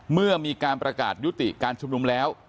เมื่อมีการประกาศยุติการชุมนุมแล้ว